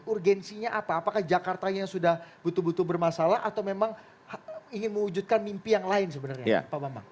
urgensinya apa apakah jakarta yang sudah betul betul bermasalah atau memang ingin mewujudkan mimpi yang lain sebenarnya pak bambang